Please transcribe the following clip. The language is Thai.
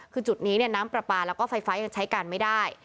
คือจุดนี้เนี่ยน้ำปราร์ปแล้วก็ไฟฟ้ายังใช้กันไม่ได้